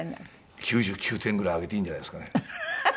９９点ぐらいあげていいんじゃないですかね。